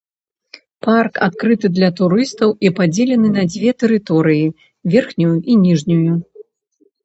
Парк адкрыты для турыстаў і падзелены на дзве тэрыторыі, верхнюю і ніжнюю.